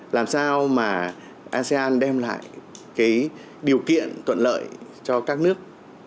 làm sao mà asean đem lại cái điều kiện thuận lợi cho các nước